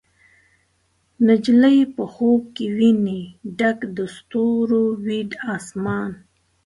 نجلۍ په خوب کې ویني ډک د ستورو، وي اسمان